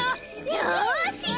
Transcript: よし！